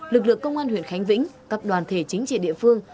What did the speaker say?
lực lượng công an huyện khánh vĩnh các đoàn thể chính trị địa phương